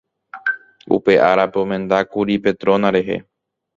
upe árape omendákuri Petrona rehe